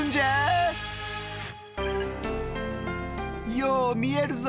よう見えるぞ。